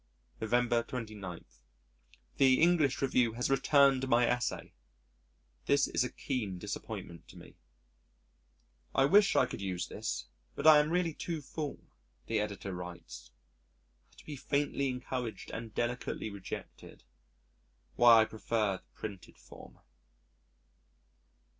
November 29. The English Review has returned my Essay! This is a keen disappointment to me. "I wish I could use this, but I am really too full," the Editor writes. To be faintly encouraged and delicately rejected why I prefer the printed form.